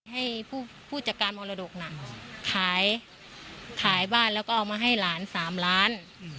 ให้ผู้จัดการมรดกน่ะขายบ้านแล้วก็เอามาให้หลาน๓ล้าน